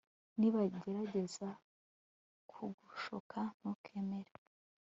nibagerageza kugushuka ntukemere